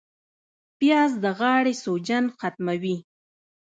پیاز د غاړې سوجن ختموي